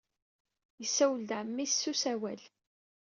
Yessawel d ɛemmi-s s usawal.